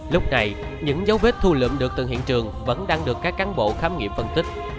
lúc này những dấu vết thu lượm được từng hiện trường vẫn đang được các cán bộ khám nghiệm phân tích